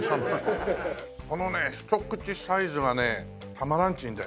このね一口サイズがねたまらんちんだよね。